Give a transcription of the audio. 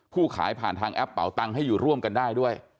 ขายผ่านทางแอปเป่าตังค์ให้อยู่ร่วมกันได้ด้วย